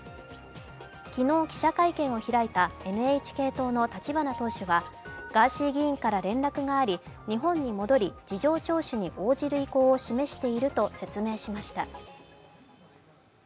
昨日、記者会見を開いたＮＨＫ党の立花党首は、ガーシー議員から連絡があり、日本に戻り事情聴取に応じる意向を示していると説明しました。